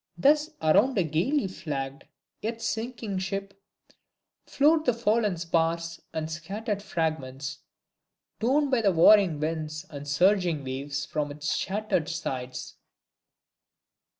Thus around a gaily flagged, yet sinking ship, float the fallen spars and scattered fragments, torn by warring winds and surging waves from its shattered sides.